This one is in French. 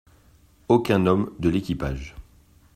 Aucun homme de l'équipage.